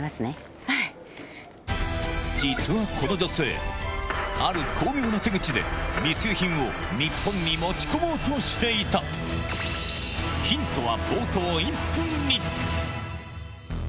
実はこの女性ある巧妙な手口で密輸品を日本に持ち込もうとしていたこちら。